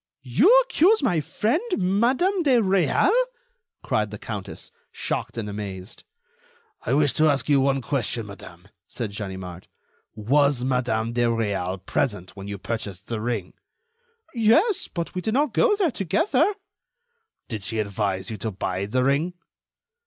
"You accuse my friend, Madam de Réal?" cried the countess, shocked and amazed. "I wish to ask you one question, madame," said Ganimard. "Was Madam de Réal present when you purchased the ring?" "Yes, but we did not go there together." "Did she advise you to buy the ring?"